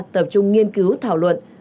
tập trung nghiên cứu thảo luận